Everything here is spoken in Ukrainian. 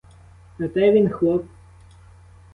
На те він хлоп.